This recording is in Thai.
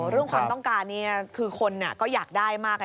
เรื่องความต้องการนี้คือคนก็อยากได้มาก